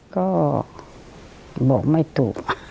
ก็บอกไม่ถูก